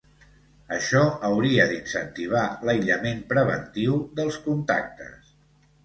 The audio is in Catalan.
Això hauria d’incentivar l’aïllament preventiu dels contactes.